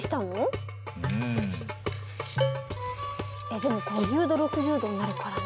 えっでも５０度６０度になるからな。